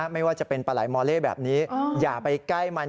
ไม่ว่าจะเป็นปลาไหลมอเล่แบบนี้อย่าไปใกล้มัน